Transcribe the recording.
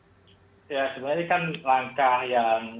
ya sebenarnya ini kan langkah yang